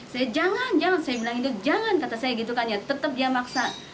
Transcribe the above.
saya jangan jangan saya bilang itu jangan kata saya gitu kan ya tetap dia maksa